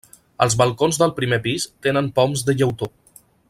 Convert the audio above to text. Els balcons del primer pis tenen poms de llautó.